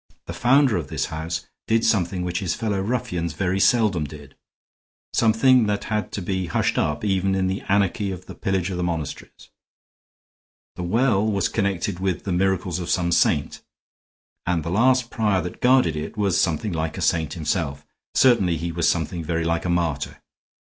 The founder of this house did something which his fellow ruffians very seldom did; something that had to be hushed up even in the anarchy of the pillage of the monasteries. The well was connected with the miracles of some saint, and the last prior that guarded it was something like a saint himself; certainly he was something very like a martyr.